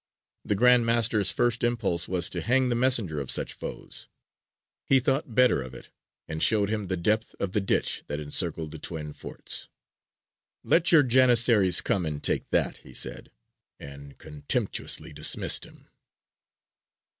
The Grand Master's first impulse was to hang the messenger of such foes: he thought better of it, and showed him the depth of the ditch that encircled the twin forts: "Let your Janissaries come and take that," he said, and contemptuously dismissed him.